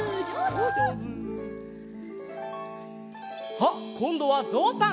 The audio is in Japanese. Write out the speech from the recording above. あっこんどはぞうさん。